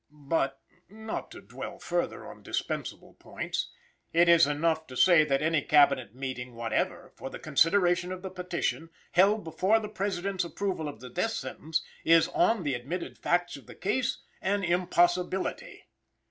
But not to dwell further on dispensable points it is enough to say that any Cabinet meeting whatever, for the consideration of the petition, held before the President's approval of the death sentence, is, on the admitted facts of the case, an impossibility.